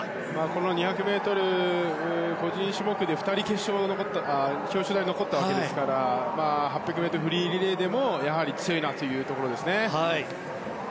この２００ｍ、個人種目で２人、表彰台に上ったわけですから８００ｍフリーリレーでもやはり強いなというところですよね。